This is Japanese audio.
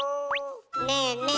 ねえねえ